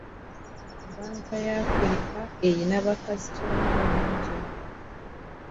Bbanka ya Afrika eyina bakasitoma bangi.